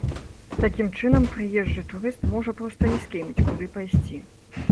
Такім чынам, прыезджы турыст, можа проста не скеміць, куды пайсці.